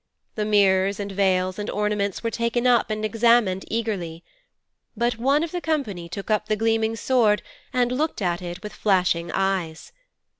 The mirrors and veils and ornaments were taken up and examined eagerly. But one of the company took up the gleaming sword and looked at it with flashing eyes.